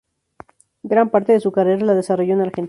Gran parte de su carrera la desarrolló en Argentina.